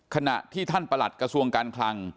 ขณะที่ท่านประหลัดกระทรวงการคลัง